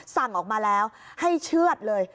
สั่งออกมาแล้วให้เชื่อดเลย